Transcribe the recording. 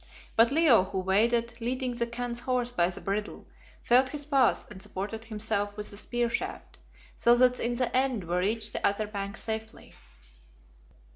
But Leo, who waded, leading the Khan's horse by the bridle, felt his path and supported himself with the spear shaft, so that in the end we reached the other bank safely.